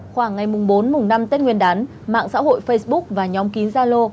khoảng ngày bốn năm tết nguyên đán mạng xã hội facebook và nhóm kín zalo